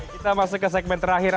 kita masuk ke segmen terakhir